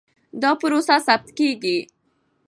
دا پروسه ثبت کېږي.